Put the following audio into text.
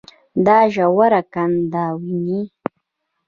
دا ژوره کنده وينې.